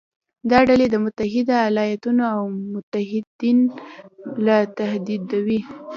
دا ډلې د متحده ایالاتو او متحدین یې تهدیدوي.